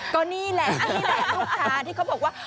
ก็นี่แหละอันนี้แหละลูกค้าที่เขาบอกว่า